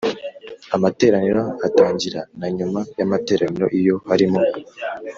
Amateraniro atangira na nyuma y amateraniro iyo harimo